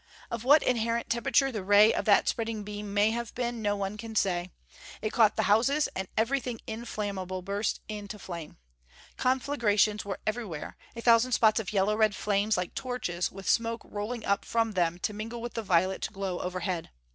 Of what inherent temperature the ray of that spreading beam may have been, no one can say. It caught the houses, and everything inflammable burst into flame. Conflagrations were everywhere a thousand spots of yellow red flames, like torches, with smoke rolling up from them to mingle with the violet glow overhead.